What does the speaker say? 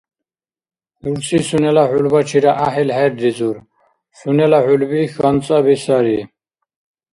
Рурси сунела хӀулбачира гӀяхӀил хӀерризур: сунела хӀулби хьанцӀаби сарри.